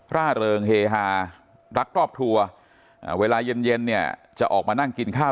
ร่าเริงเฮฮารักครอบครัวเวลาเย็นเนี่ยจะออกมานั่งกินข้าว